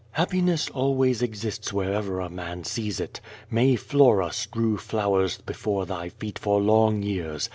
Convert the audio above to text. "Happi ness always exists wherever a man sees it. May Flora strew flowers before thy feet for long years.